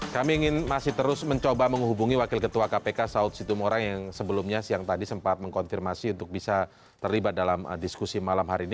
kami masih terus mencoba menghubungi wakil ketua kpk saud situmorang yang sebelumnya siang tadi sempat mengkonfirmasi untuk bisa terlibat dalam diskusi malam hari ini